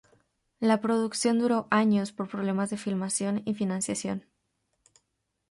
La producción duró años por problemas de filmación y financiación.